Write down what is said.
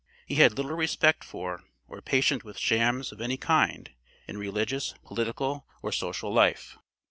He had little respect for, or patience with shams of any kind, in religious, political or social life.